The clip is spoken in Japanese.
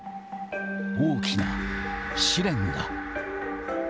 大きな試練が。